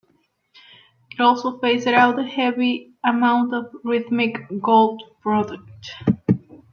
It also phased out the heavy amount of Rhythmic gold product.